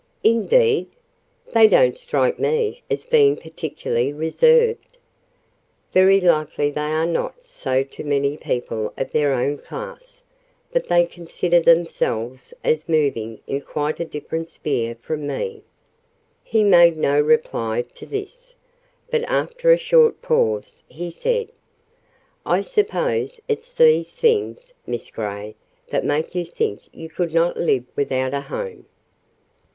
"Indeed? They don't strike me as being particularly reserved." "Very likely they are not so to people of their own class; but they consider themselves as moving in quite a different sphere from me!" He made no reply to this: but after a short pause, he said,—"I suppose it's these things, Miss Grey, that make you think you could not live without a home?"